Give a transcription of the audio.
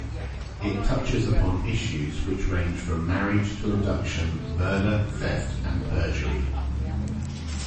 It touches upon issues which range from marriage to abduction, murder, theft, and perjury.